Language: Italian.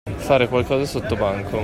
Fare qualcosa sottobanco.